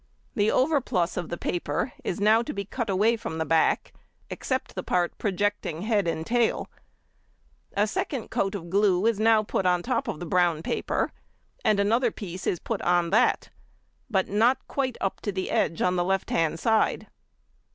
The overplus of the paper is now to be cut away from the back, except the part projecting head and tail. A second coat of glue is now put on the top of the brown paper and another piece is put on that, but not quite up to the edge on the left hand side.